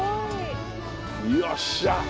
よっしゃ！